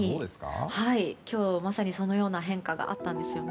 今日、まさにそのような変化があったんです。